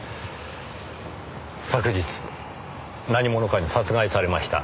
昨日何者かに殺害されました。